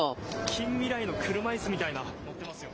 近未来の車いすみたいなのに乗ってますよ。